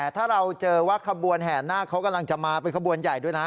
ถ้าเราเจอว่าขบวนแห่นาคเขากำลังจะมาเป็นขบวนใหญ่ด้วยนะ